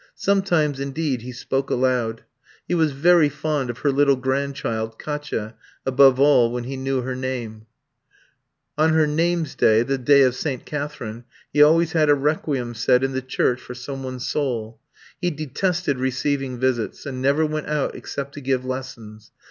Sometimes, indeed, he spoke aloud. He was very fond of her little grandchild, Katia, above all when he knew her name; on her name's day the day of St. Catherine he always had a requiem said in the church for some one's soul. He detested receiving visits, and never went out except to give lessons.